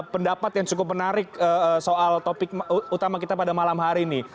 pendapat yang cukup menarik soal topik utama kita pada malam hari ini